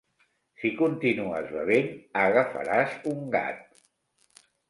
Si continues bevent, agafaràs un gat.